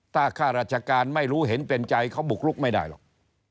ถ้าข้าราชการไม่รู้เห็นเป็นใจเขาบุกลุกไม่ได้หรอก